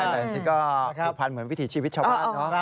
แต่ก็ผันเหมือนวิถีชีวิตชาวบ้าน